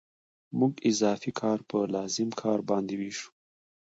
موږ اضافي کار په لازم کار باندې وېشو